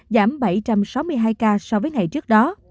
giảm bảy trăm sáu mươi hai ca so với ngày trước đó